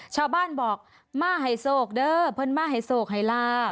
ชาวบ้านบอกม่าให้โศกเด้อเพื่อนม่าให้โศกให้ลา